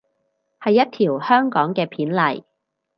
係一條香港嘅片嚟